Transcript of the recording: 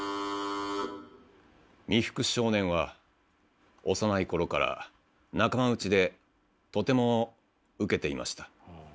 三福少年は幼い頃から仲間内でとてもウケていました。